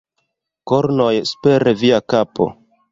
Kornoj super via kapo!